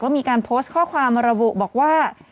มีการโพสต์ข้อความระบุบอกว่า